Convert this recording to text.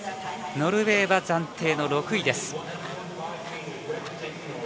ノルウェーは暫定の６位です。